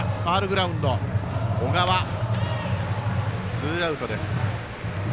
ツーアウトです。